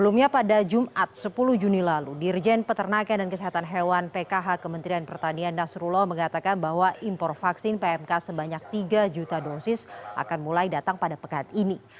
mengatakan bahwa impor vaksin pmk sebanyak tiga juta dosis akan mulai datang pada pekan ini